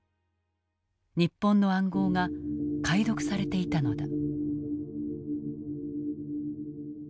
日本の暗号が解読されていたのだ。